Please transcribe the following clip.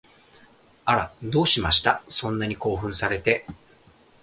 あら、どうしました？そんなに興奮されて